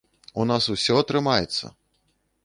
У нас усё атрымаецца!